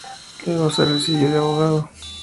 Luego se recibió de abogado.